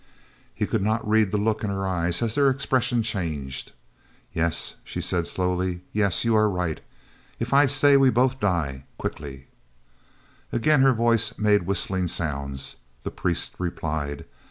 He could not read the look in her eyes as their expression changed. "Yes," she said slowly, "yes, you are right. If I stay we both die, quickly." Again her voice made whistling sounds; the priest replied.